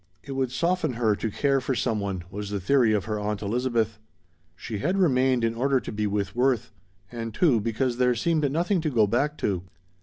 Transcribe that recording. It would soften her to care for some one, was the theory of her Aunt Elizabeth. She had remained in order to be with Worth; and, too, because there seemed nothing to go back to.